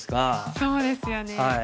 そうですよね。